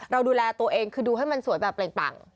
เราดูแลตัวเองคือดูให้มันสวยแบบเปล่งปัง